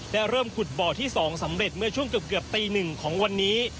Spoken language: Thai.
และเริ่มขุดบ่อที่๒สำเร็จเมื่อช่วงเกือบตี๑ของวันนี้